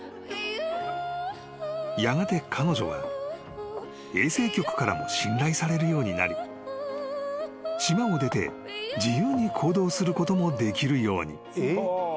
［やがて彼女は衛生局からも信頼されるようになり島を出て自由に行動することもできるように］